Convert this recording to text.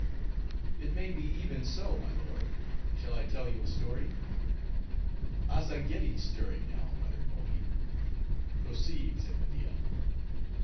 "It may be even so, my lord. Shall I tell you a story?" "Azzageddi's stirring now," muttered Mohi. "Proceed," said Media.